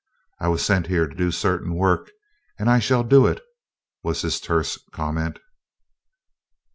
"I was sent here to do certain work, and I shall do it," was his terse comment.